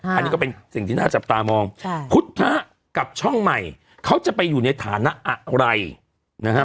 อันนี้ก็เป็นสิ่งที่น่าจับตามองพุทธกับช่องใหม่เขาจะไปอยู่ในฐานะอะไรนะฮะ